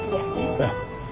ええ。